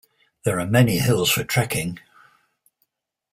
There are many hills for trekking.